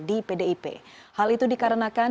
di pdip hal itu dikarenakan